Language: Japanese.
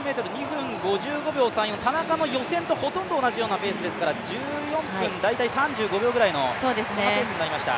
分５５秒３４田中も予選とほとんど同じようなペースですから、大体１４分３５秒ぐらいのペースになりました。